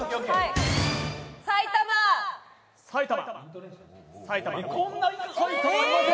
埼玉！